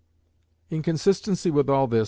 In consistency with all this, M.